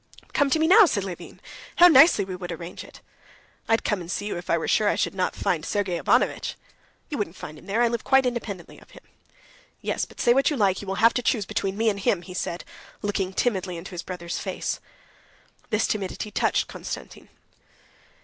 "But come to me now," said Levin. "How nicely we would arrange it!" "I'd come and see you if I were sure I should not find Sergey Ivanovitch." "You wouldn't find him there. I live quite independently of him." "Yes, but say what you like, you will have to choose between me and him," he said, looking timidly into his brother's face. This timidity touched Konstantin.